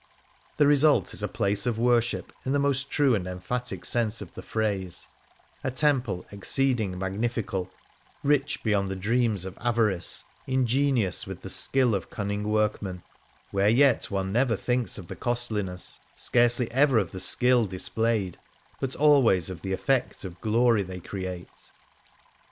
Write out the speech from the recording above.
The result is a " Place of Worship "" in the most true and emphatic sense of the phrase ; a temple " ex ceeding magnifical," rich beyond the dreams of avarice, ingenious with the skill of cunning workmen ; where yet one never thinks of the costliness, scarcely ever of the skill dis 64 The Heart of Venice played, but always of the effect of uiory they create.